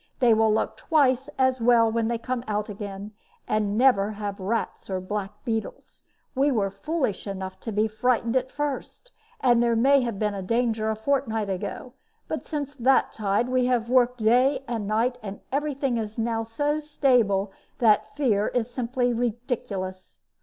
They will look twice as well when they come out again, and never have rats or black beetles. We were foolish enough to be frightened at first; and there may have been danger a fortnight ago. But since that tide we have worked day and night, and every thing is now so stable that fear is simply ridiculous.